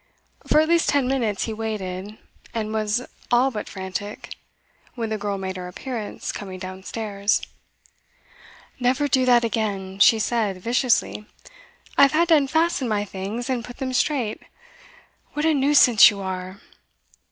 For at least ten minutes he waited, and was all but frantic, when the girl made her appearance, coming downstairs. 'Never do that again,' she said viciously. 'I've had to unfasten my things, and put them straight. What a nuisance you are!